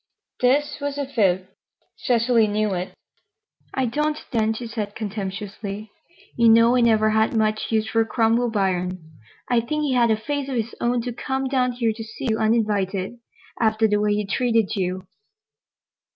This was a fib. Cecily knew it. "I don't, then," she said contemptuously. "You know I never had much use for Cromwell Biron. I think he had a face of his own to come down here to see you uninvited, after the way he treated you."